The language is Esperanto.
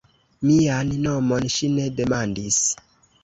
Mian nomon ŝi ne demandis.